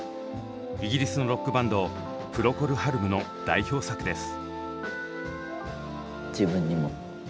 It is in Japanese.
イギリスのロックバンドプロコル・ハルムの代表作です。